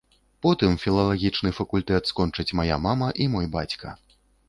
Потым філалагічны факультэт скончаць мая мама і мой бацька.